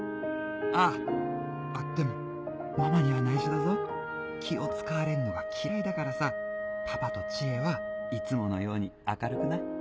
あああっでもママには内緒だぞ気を使われるのが嫌いだからさパパと知恵はいつものように明るくな。